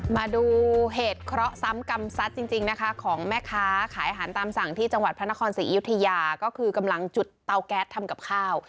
มาดูเหตุเคราะห์ซ้ำกรรมซัดจริงนะคะของแม่ค้าขายอาหารตามสั่งที่จังหวัดพระนครศรีอยุธยาก็คือกำลังจุดเตาแก๊สทำกับข้าว